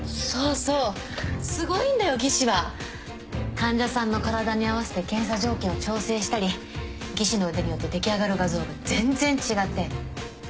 患者さんの体に合わせて検査条件を調整したり技師の腕によって出来上がる画像が全然違って。